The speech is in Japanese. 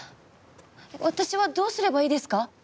私はどうすればいいですか？